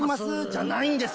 じゃないんです